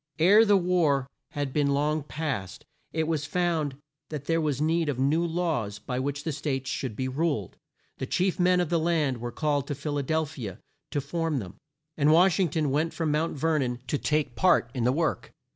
Ere the war had been long past, it was found that there was need of new laws by which the States should be ruled. The chief men of the land were called to Phil a del phi a to form them, and Wash ing ton went from Mount Ver non to take part in the work.